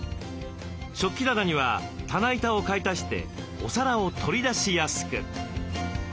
食器棚には棚板を買い足してお皿を取り出しやすく。